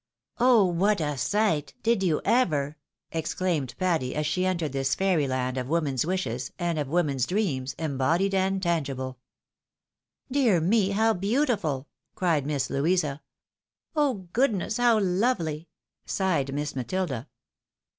" Oh ! what a sight ! did you ever !" exclaimed Patty, as she entered this fairy land of woman's wishes, and of woman's dreams, embodied and tangible. " Dear me ! how beautiful !" cried Miss Louisa. "Oh! goodness! how lovely!" sighed Miss Matilda.